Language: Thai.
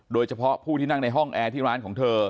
โดยเฉพาะผู้ที่นั่งในห้องแอร์ที่ร้านของเธอ